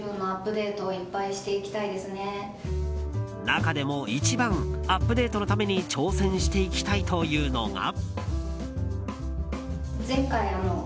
中でも一番アップデートのために挑戦していきたいというのが。